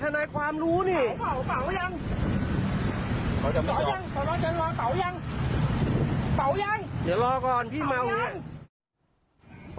นายความรู้นี่เป๋ายังเดี๋ยวรอก่อนพี่เมายัง